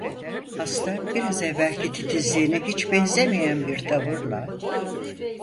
Hasta, biraz evvelki titizliğine hiç benzemeyen bir tavırla.